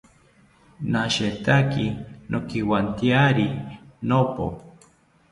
Nashetaki nokiwantyari nopo